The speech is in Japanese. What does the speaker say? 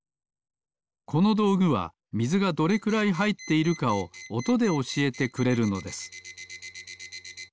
このどうぐはみずがどれくらいはいっているかをおとでおしえてくれるのです。